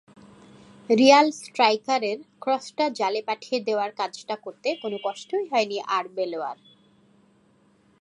Real স্ট্রাইকারের ক্রসটা জালে পাঠিয়ে দেওয়ার কাজটা করতে কোনো কষ্টই হয়নি আরবেলোয়ার।